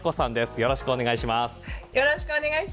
よろしくお願いします。